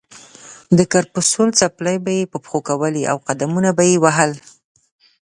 د کرپسول څپلۍ یې په پښو کولې او قدمونه به یې وهل.